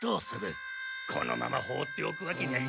このまま放っておくわけにはいかないでしょう。